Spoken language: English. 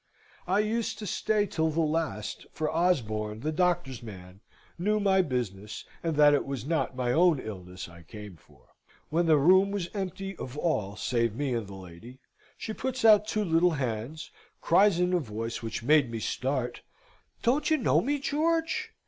I used to stay till the last, for Osborn, the doctor's man, knew my business, and that it was not my own illness I came for. When the room was empty of all save me and the lady, she puts out two little hands, cries in a voice which made me start "Don't you know me, George?"